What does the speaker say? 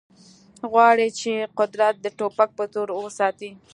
غواړي چې قدرت د ټوپک په زور وساتي